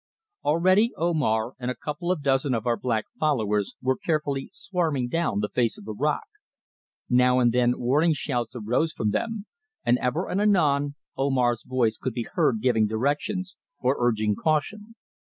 Already Omar and a couple of dozen of our black followers were carefully swarming down the face of the rock. Now and then warning shouts arose from them, and ever and anon Omar's voice could be heard giving directions, or urging caution.